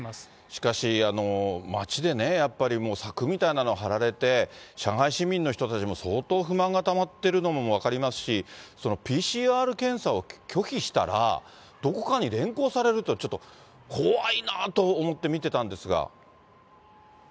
しかし、町でやっぱりもう、柵みたいなのが張られて、上海市民の人たちも、相当不満がたまっているのが分かりますし、ＰＣＲ検査を拒否したら、どこかに連行されるっていう、ちょっと怖いなと思って見てたんですが。